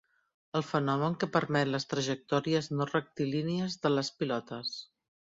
El fenomen que permet les trajectòries no rectilínies de les pilotes.